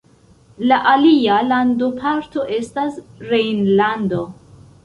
La alia landoparto estas Rejnlando.